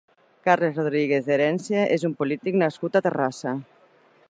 Carles Rodríguez Herencia és un polític nascut a Terrassa.